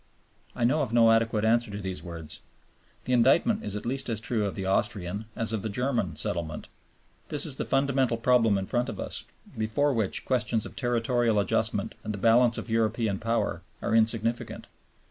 I know of no adequate answer to these words. The indictment is at least as true of the Austrian, as of the German, settlement. This is the fundamental problem in front of us, before which questions of territorial adjustment and the balance of European power are insignificant.